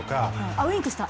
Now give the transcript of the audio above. あっウインクした！